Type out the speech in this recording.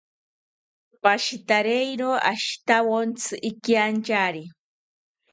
Pashitariero ashitawontzi ikiantyari